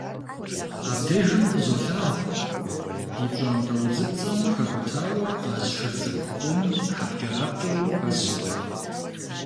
Абдежым къызолъагъу ди пщӀантӀэ удзыпцӀэм хэкӀутауэ къаз шыр цӀыкӀу къом хьэпкӀэрапкӀэу хэсу.